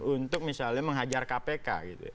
untuk misalnya menghajar kpk gitu ya